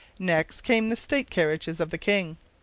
Next came the state carriages of the king.